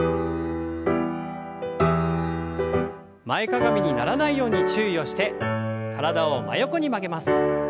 前かがみにならないように注意をして体を真横に曲げます。